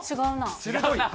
違うな。